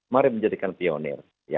mari menjadikan pionir